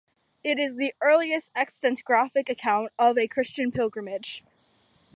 It is the earliest extant graphic account of a Christian pilgrimage.